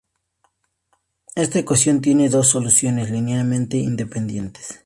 Esta ecuación tiene dos soluciones linealmente independientes.